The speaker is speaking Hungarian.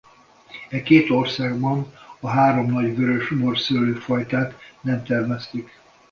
E két országban a három nagy vörösborszőlő-fajtát nem termesztik.